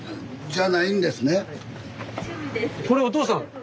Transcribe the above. これおとうさん？